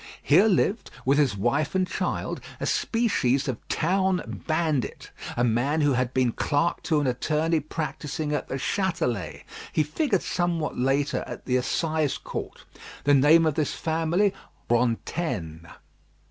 Here lived, with his wife and child, a species of town bandit; a man who had been clerk to an attorney practising at the Châtelet he figured somewhat later at the Assize Court; the name of this family was Rantaine.